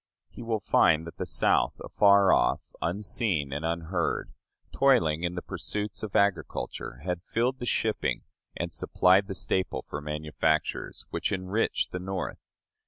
He will find that the South, afar off, unseen and unheard, toiling in the pursuits of agriculture, had filled the shipping and supplied the staple for manufactures, which enriched the North.